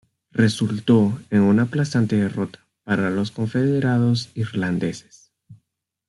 Resultó en una aplastante derrota para los confederados irlandeses.